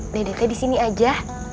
dedeknya disini aja